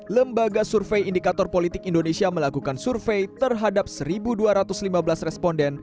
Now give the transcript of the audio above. lembaga survei indikator politik indonesia melakukan survei terhadap satu dua ratus lima belas responden